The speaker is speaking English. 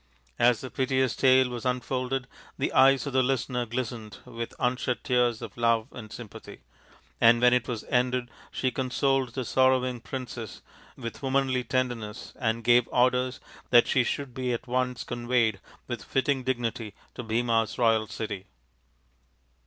As the piteous tale was un folded the eyes of the listener glistened with unshed tears of love and sympathy ; and when it was ended she consoled the sorrowing princess with womanly tenderness and gave orders that she should be at once conveyed with fitting dignity to Bhima's royal city.